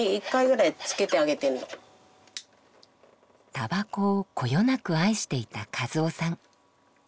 たばこをこよなく愛していた一夫さん。